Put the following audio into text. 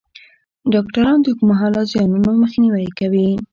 ډاکټران د اوږدمهاله زیانونو مخنیوی کوي.